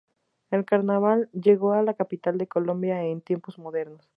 El carnaval llegó a la capital de Colombia en tiempos modernos.